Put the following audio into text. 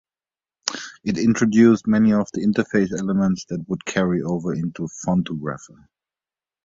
It introduced many of the interface elements that would carry over into Fontographer.